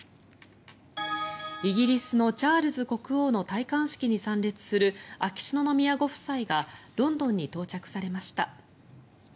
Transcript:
イギリスのチャールズ国王の戴冠式に参列する秋篠宮ご夫妻がロンドンに到着されました。